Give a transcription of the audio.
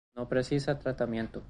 No precisa tratamiento.